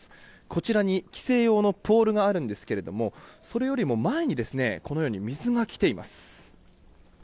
こちらに規制用のポールがあるんですけれどもそれよりも前にこのように水がきています。